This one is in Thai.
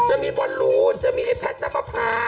จะมีวรรลูนจะมีไอ้แพทย์น้ำปะผา